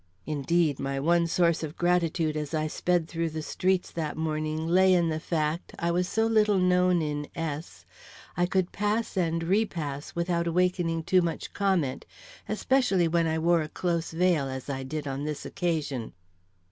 Indeed, my one source of gratitude as I sped through the streets that morning lay in the fact, I was so little known in S , I could pass and re pass without awakening too much comment, especially when I wore a close veil, as I did on this occasion.